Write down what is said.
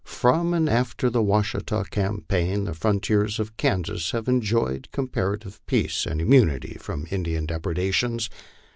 From and after the Washita campaign the frontiers of Kansas have enjoyed comparative peace and immunity from Indian depredations.